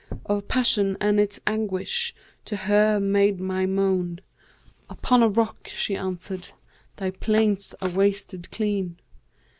Of passion and its anguish to her made my moan; * 'Upon a rock,' she answered, 'thy plaints are wasted clean.'